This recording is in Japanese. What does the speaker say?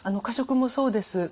過食もそうです。